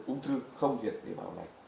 ung thư không diệt tế bào này